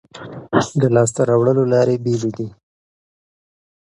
د لاسته راوړلو لارې بېلې دي.